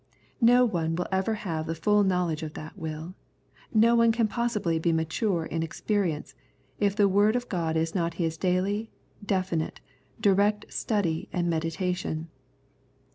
No one will ever have the full knowledge of that will, no one can possibly be mature in ex perience, if the Word of God is not his daily, definite, direct study and meditation.